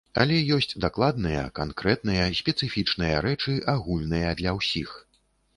Але ёсць дакладныя, канкрэтныя, спецыфічныя рэчы, агульныя для ўсіх.